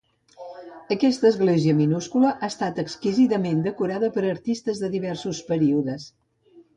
Aquesta església minúscula ha estat exquisidament decorada per artistes de diversos períodes.